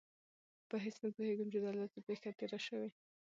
په هېڅ نه پوهېږم چې دلته څه پېښه تېره شوې.